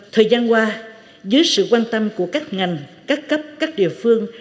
thời gian qua dưới sự quan tâm của các ngành các cấp các địa phương